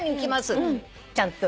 ちゃんと。